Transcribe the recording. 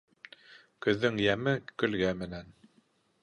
Көҙҙөң йәме көлгә менән.